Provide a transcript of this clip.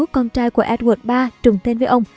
con trai của edward iii trùng tên với ông